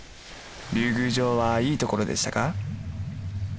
竜宮城はいいところでしたか？